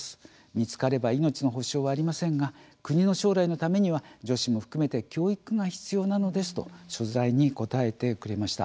見つかれば命の保証はありませんが国の将来のためには女子も含めて教育が必要なのですと取材に答えてくれました。